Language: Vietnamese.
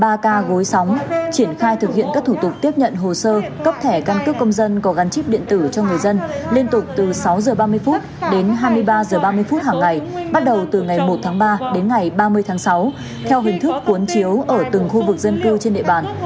bà nội đã làm ba ca gối sóng triển khai thực hiện các thủ tục tiếp nhận hồ sơ cấp thẻ căn cứ công dân có gắn chip điện tử cho người dân liên tục từ sáu h ba mươi đến hai mươi ba h ba mươi hằng ngày bắt đầu từ ngày một tháng ba đến ngày ba mươi tháng sáu theo hình thức cuốn chiếu ở từng khu vực dân cư trên địa bàn